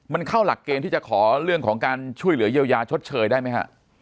มันเข้าหลักเกณฑ์ที่จะขอเรื่องของการช่วยเหลือเยียวยาชดเชยได้ไหมฮะ